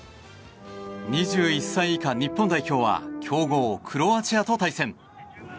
２１歳以下日本代表は強豪クロアチアと対戦。